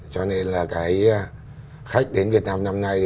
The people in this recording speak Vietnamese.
cho nên là cái khách đến việt nam năm nay